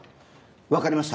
わかりました。